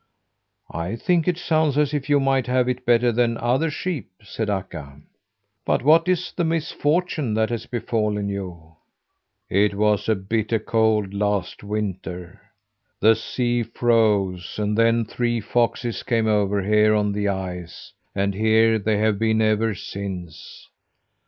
"I think it sounds as if you might have it better than other sheep," said Akka. "But what is the misfortune that has befallen you?" "It was bitter cold last winter. The sea froze, and then three foxes came over here on the ice, and here they have been ever since.